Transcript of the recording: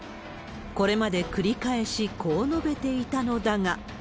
これまで繰り返しこう述べていたのだが。